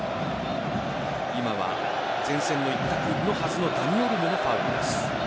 今は前線にいたはずのダニ・オルモのファウルです。